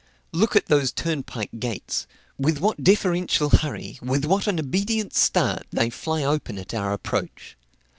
Look at those turnpike gates; with what deferential hurry, with what an obedient start, they fly open at our approach!